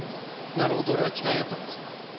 成尾と俺は誓い合ったんです。